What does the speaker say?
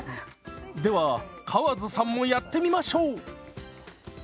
では川津さんもやってみましょう！